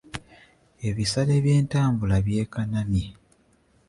Ebisale byentambula byekanamye.